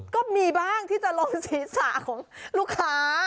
ก็มีบ้างที่จะลงศีรษะของลูกค้า